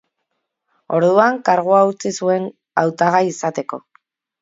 Orduan, kargua utzi zuen hautagai izateko.